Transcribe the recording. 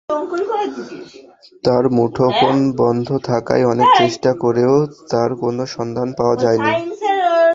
তাঁর মুঠোফোন বন্ধ থাকায় অনেক চেষ্টা করেও তাঁর কোনো সন্ধান পাওয়া যায়নি।